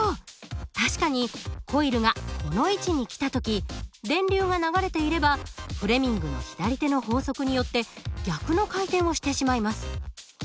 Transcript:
確かにコイルがこの位置に来た時電流が流れていればフレミングの左手の法則によって逆の回転をしてしまいます。